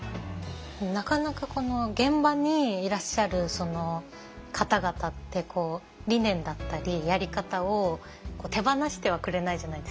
なかなか現場にいらっしゃる方々って理念だったりやり方を手放してはくれないじゃないですか。